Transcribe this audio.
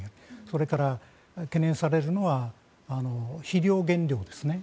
それから、懸念されるのは肥料原料ですね。